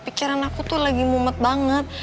pikiran aku tuh lagi mumet banget